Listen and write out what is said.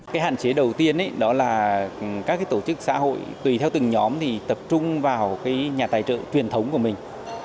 cái hạn chế đầu tiên đó là các tổ chức xã hội tùy theo từng nhóm thì tập trung vào cái nhà tài trợ truyền thống của mình